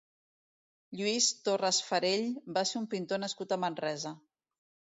Lluís Torras-Farell va ser un pintor nascut a Manresa.